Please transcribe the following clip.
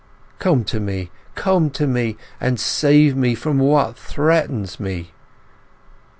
Come to me—come to me, and save me from what threatens me!